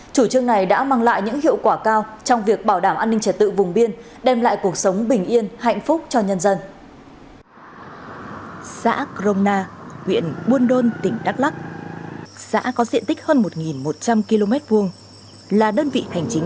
chủ trương này đã mang lại những hiệu quả cao trong việc bảo đảm an ninh trả tự vùng biên đem lại cuộc sống bình yên hạnh phúc và đảm bảo sự bình yên